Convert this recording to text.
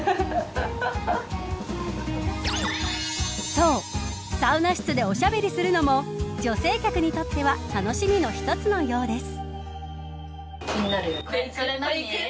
そう、サウナ室でおしゃべりするのも女性客にとっては楽しみの一つのようです。